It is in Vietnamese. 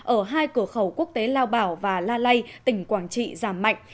ở hai cửa khẩu quốc tế lao bảo và la lây tỉnh quảng trị giảm mạnh